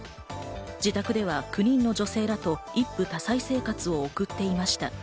自宅では９人の女性らと、一夫多妻生活を送っていました。